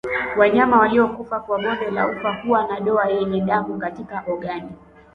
Wanyama waliokufa kwa bonde la ufa huwa na doa yenye damu katika ogani